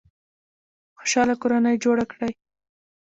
خوشحاله کورنۍ جوړه کړئ